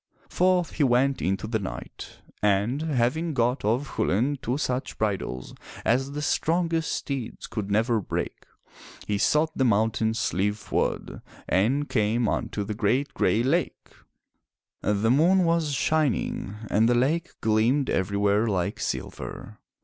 Forth he went into the night, and, having got of Chulain two such bridles as the strongest steeds could never break, he sought the mountain Slieve Fuad, and came unto the great Gray Lake. The moon was shining and the lake gleamed everywhere like silver.